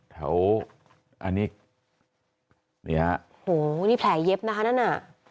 อันนี้นี่ฮะโหนี่แผลเย็บนะคะนั่นน่ะ